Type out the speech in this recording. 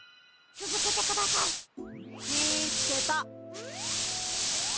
つづけてください！みつけた！